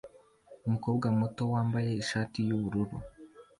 Umukobwa muto wambaye ishati yubururu